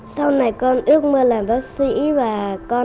sau này con ước mơ làm bác sĩ và con